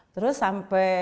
terus sampai bapaknya